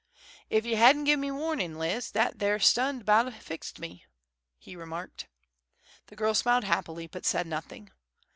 "If ye hadn't gi'n me warnin', Liz, that there stun'd about fixed me," he remarked. The girl smiled happily, but said nothing.